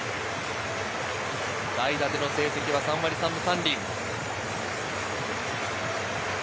代打での成績は３割３分３厘。